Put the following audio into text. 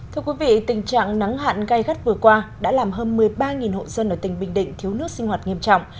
thưa quý vị tình trạng nắng hạn gai gắt vừa qua đã làm hơn một mươi ba hộ dân ở tỉnh bình định thiếu nước sinh hoạt nghiêm trọng